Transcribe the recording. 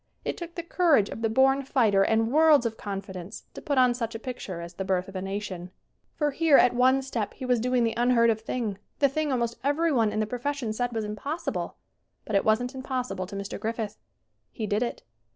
It took the courage of the born fighter and worlds of confidence to put on such a picture as "The Birth of a Nation." For here at one step 112 SCREEN ACTING he was doing the unheard of thing, the thing almost everyone in the profession said was im possible. But it wasn't impossible to Mr. Griffith. He did it.